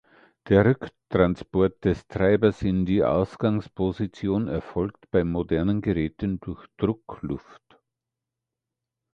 Der Rücktransport des Treibers in die Ausgangsposition erfolgt bei modernen Geräten durch Druckluft.